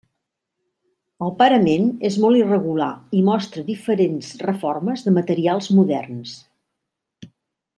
El parament és molt irregular i mostra diferents reformes de materials moderns.